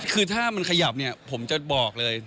คือถ้ามันขยับผมจะบอกเลย